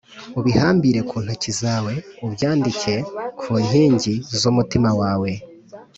ubihambire ku ntoki zawe, ubyandike ku nkingi z’umutima wawe